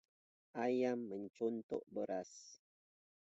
ayam mencotok beras